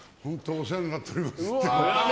お世話になっておりますって。